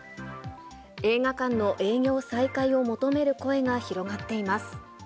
映画館の営業再開を求める声が広がっています。